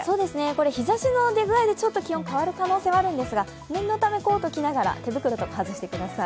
日ざしの出具合でちょっと気温、変わる可能性あるんですが念のため、コートを着ながら手袋とか外してください。